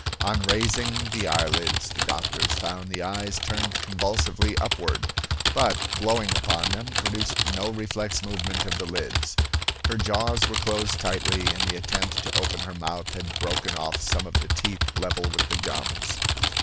On raising the eyelids, the doctors found the eyes turned convulsively upward, but, blowing upon them, produced no reflex movement of the lids. Her jaws were closed tightly, and the attempt to open her mouth had broken off some of the teeth level with the gums.